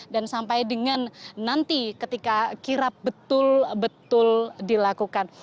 dan sampai dengan nanti ketika kirap betul betul dilakukan